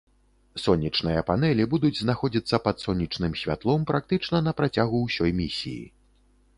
Сонечныя панэлі будуць знаходзіцца пад сонечным святлом практычна на працягу ўсёй місіі.